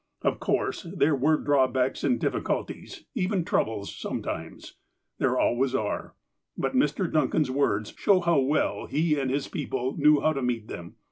Of course, there were BACK IN OLD ENGLAND 221 drawbacks, aud difficulties, even troubles, sometimes. There always are. But Mr. Duncan's words show how well he and his people knew how to meet them.